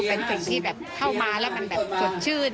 เป็นสิ่งที่แบบเข้ามาแล้วมันแบบสดชื่น